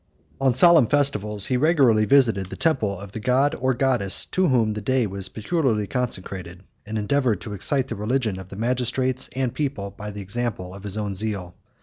On solemn festivals, he regularly visited the temple of the god or goddess to whom the day was peculiarly consecrated, and endeavored to excite the religion of the magistrates and people by the example of his own zeal.